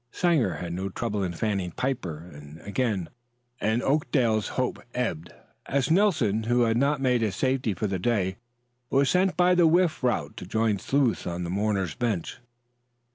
Sanger had no trouble in fanning Piper, and again Oakdale's hope ebbed, as Nelson, who had not made a safety for the day, was sent by the whiff route to join Sleuth on the mourners' bench.